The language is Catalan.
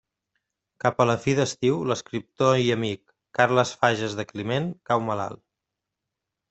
Cap a la fi d'estiu, l'escriptor i amic Carles Fages de Climent cau malalt.